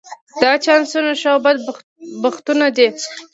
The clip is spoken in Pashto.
دا چانسونه ښه او بد بختونه دي.